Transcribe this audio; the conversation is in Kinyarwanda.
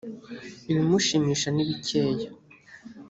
ibimushimisha nibikeya.